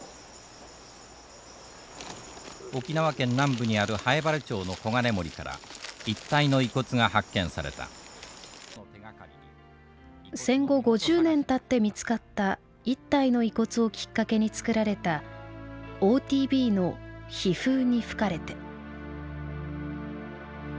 沖縄県南部にある南風原町の黄金森から１体の遺骨が発見された戦後５０年たって見つかった１体の遺骨をきっかけに作られたＯＴＶの「悲風に吹かれて」。